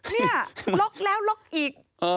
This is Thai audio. นี่ล็อกแล้วล็อกอีก